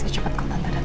cepet kontan dateng